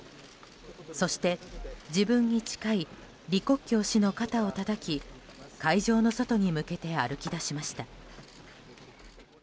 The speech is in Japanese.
そして自分に近い李克強氏の肩をたたき、会場の外に向けて歩き出しました。